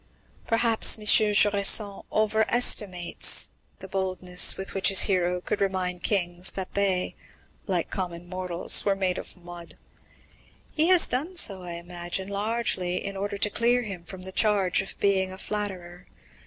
Perhaps M. Jusserand over estimates the boldness with which his hero could remind kings that they, like common mortals, were made of mud. He has done so, I imagine, largely in order to clear him from the charge of being a flatterer.